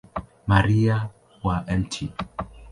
Maria wa Mt.